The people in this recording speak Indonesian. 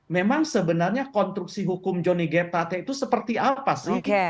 memang sebenarnya konstruksi hukum johnny g plate itu seperti apa sih